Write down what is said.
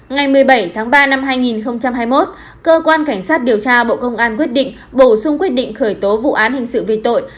ngày một mươi bảy tháng ba năm hai nghìn hai mươi một cơ quan cảnh sát điều tra bộ công an quyết định bổ sung quyết định khởi tố vụ án hình sự về tội